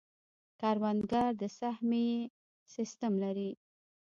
کروندګر د سهمیې سیستم لري.